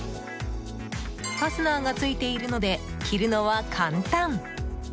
ファスナーがついているので着るのは簡単！